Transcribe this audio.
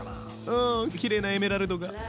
うんきれいなエメラルドが。